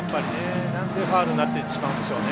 なのでファウルになってしまうんでしょうね。